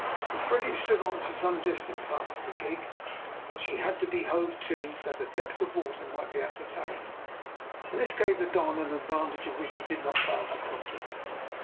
The frigate stood on for some distance after the gig, but she had to be hove to that the depth of water might be ascertained, and this gave the Don an advantage of which he did not fail to profit.